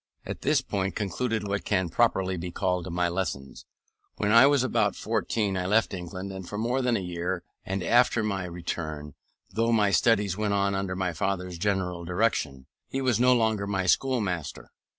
At this point concluded what can properly be called my lessons: when I was about fourteen I left England for more than a year; and after my return, though my studies went on under my father's general direction, he was no longer my schoolmaster.